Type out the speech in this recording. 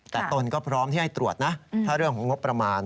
แต่ตนก็พร้อมที่ให้ตรวจนะถ้าเรื่องของงบประมาณ